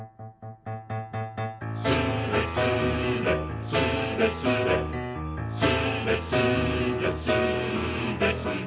「スレスレスレスレ」「スレスレスーレスレ」